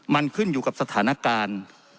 มันขึ้นอยู่กับสถานการณ์